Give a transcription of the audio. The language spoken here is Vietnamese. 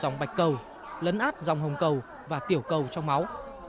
dòng bạch cầu lấn áp dòng hồng cầu và tiểu cầu trong máu